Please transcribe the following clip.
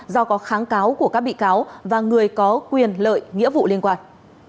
do có kháng cáo của các bị cáo và người có quyền lợi nghĩa vụ liên quan